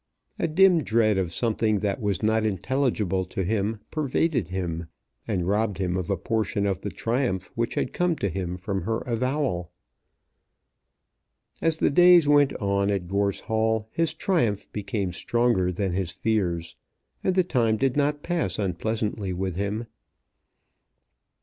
A dim dread of something that was not intelligible to him pervaded him, and robbed him of a portion of the triumph which had come to him from her avowal. As the days went on at Gorse Hall his triumph became stronger than his fears, and the time did not pass unpleasantly with him.